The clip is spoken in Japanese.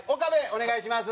お願いします。